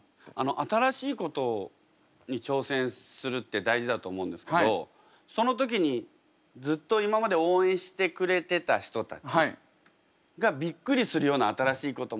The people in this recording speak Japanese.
新しいことに挑戦するって大事だと思うんですけどその時にずっと今まで応援してくれてた人たちがびっくりするような新しいことも。